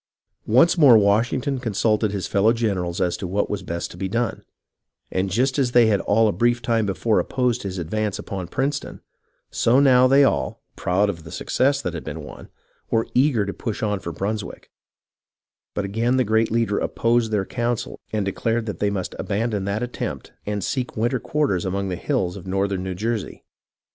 Once more Washington consulted his fellow generals as to what was best to be done, and just as they had all a brief time before opposed his advance upon Princeton, so now they all, proud of the success that had been won, were eager to push on for Brunswick ; but again the great leader opposed their counsel and declared that they must abandon that attempt and seek winter quarters among the hills of northern New Jersey.